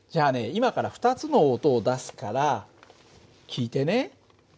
今から２つの音を出すから聞いてね。